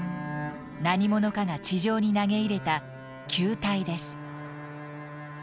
何者かが地上に投げ入れた球体です。